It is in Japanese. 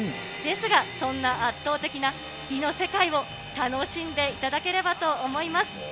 ですが、そんな圧倒的な美の世界を楽しんでいただければと思います。